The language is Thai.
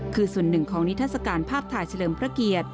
คือส่วนหนึ่งของนิทัศกาลภาพถ่ายเฉลิมพระเกียรติ